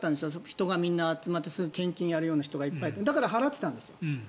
人がみんな集まって献金やる人がいっぱいいて払ってたんですよ。